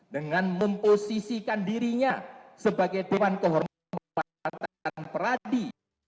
dengan memposisikan dirinya sebagai dewan kehormatan peradi